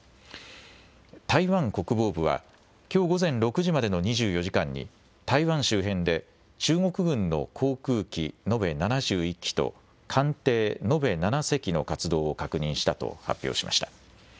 台湾国防部は、きょう午前６時までの２４時間に、台湾周辺で中国軍の航空機延べ７１基と、艦艇延べ７隻の活動を確認したと発表しました。